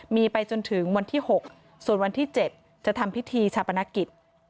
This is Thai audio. มีไปจนถึงวันที่๖ส่วนวันที่๗จะทำพิธีชาปนกิจ